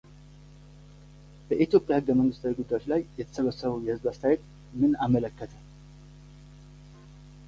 በኢትዮጵያ ሕገ መንግሥታዊ ጉዳዮች ላይ የተሰበሰበው የሕዝብ አስተያየት ምን አመለከተ?